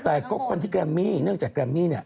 แต่ก็คนที่แกรมมี่เนื่องจากแกรมมี่เนี่ย